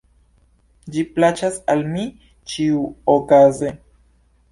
Ĝi plaĉas al mi ĉiuokaze!